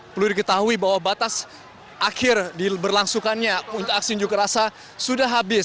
perlu diketahui bahwa batas akhir diberlangsukannya untuk aksi njukerasa sudah habis